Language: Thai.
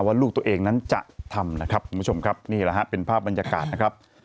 ว่าลูกตัวเองนั้นจะทำนะครับคุณผู้ชมครับนี่แหละฮะเป็นภาพบรรยากาศนะครับ